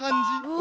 お！